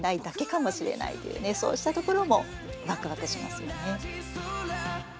そうしたところもワクワクしますよね。